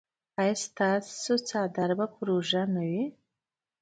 ایا ستاسو څادر به پر اوږه نه وي؟